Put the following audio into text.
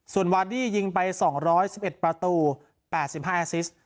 ส่วนวาดี้ยิงไปสองร้อยสิบเอ็ดประตูแปดสิบห้าแอซิสต์